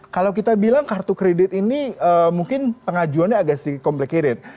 kalau kita bilang kartu kredit ini mungkin pengajuannya agak sedikit complicated